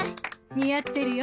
似合ってるよ